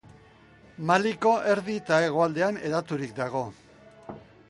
Maliko erdi eta hegoaldean hedaturik dago.